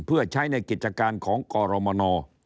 เพื่อใช้ในกิจการของกรมน